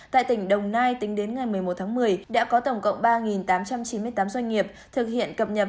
tại tỉnh đồng nai tính đến ngày một mươi một tháng một mươi đã có tổng cộng ba tám trăm chín mươi tám doanh nghiệp thực hiện cập nhập